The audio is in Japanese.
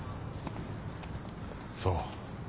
そう。